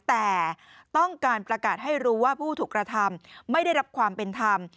แต่ต้องการประกาศให้รู้ว่าผู้ถูกกระทำไม่ได้รับความเป็นธรรม